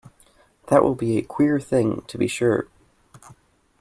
That will be a queer thing, to be sure!